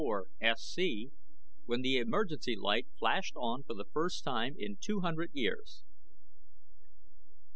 4SC, when the emergency light flashed on for the first time in two hundred years.